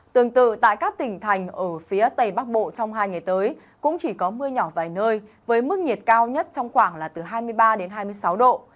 tương tự tại các tỉnh thành ở phía tây bắc bộ trong hai ngày tới cũng chỉ có mưa nhỏ vài nơi với mức nhiệt cao nhất trong khoảng là từ hai mươi ba đến hai mươi sáu độ